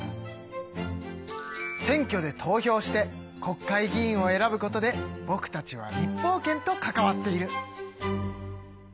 選挙で投票して国会議員を選ぶことでぼくたちは立法権と関わっている。